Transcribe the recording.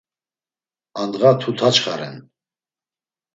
Andğa tutaçxa ren.